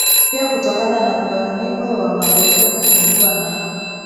Pia kutokana na mgawanyiko wa madhehebu kumekuwa na